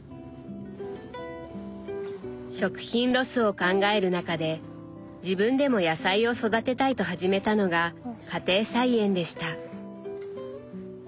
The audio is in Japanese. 食品ロスを考える中で自分でも野菜を育てたいと始めたのが家庭菜園でした。